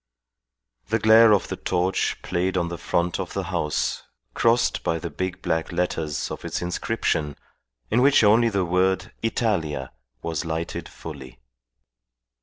The glare of the torch played on the front of the house crossed by the big black letters of its inscription in which only the word Italia was lighted fully.